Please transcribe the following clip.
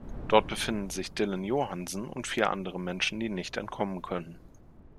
Dort befinden sich Dillon Johansen und vier andere Menschen, die nicht entkommen können.